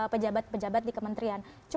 pejabat pejabat di kementerian